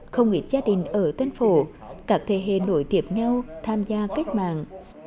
không nghỉ gia đình ở tân phổ các thế hệ nội tiệp nhau tham gia kết mạng